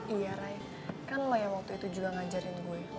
iya ray kan lo yang waktu itu juga ngajarin gue